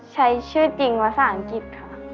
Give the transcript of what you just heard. ใช้ชื่อจริงภาษาอังกฤษค่ะ